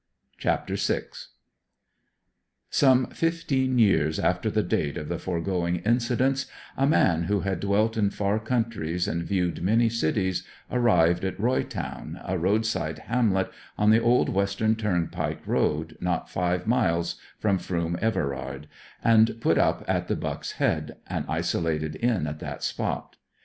CHAPTER VI Some fifteen years after the date of the foregoing incidents, a man who had dwelt in far countries, and viewed many cities, arrived at Roy Town, a roadside hamlet on the old western turnpike road, not five miles from Froom Everard, and put up at the Buck's Head, an isolated inn at that spot.